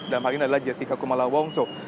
dan hal ini adalah jessica kumala wongso